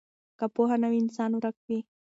که پوهه نه وي انسان ورک وي.